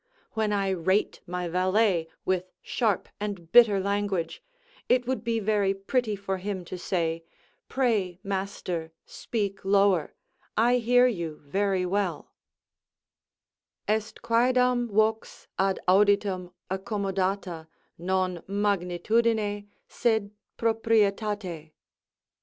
When I rate my valet with sharp and bitter language, it would be very pretty for him to say; "Pray, master, speak lower; I hear you very well": "Est quaedam vox ad auditum accommodata, non magnitudine, sed proprietate."